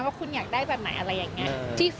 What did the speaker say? ว่าคุณอยากได้แบบไหนอะไรอย่างนี้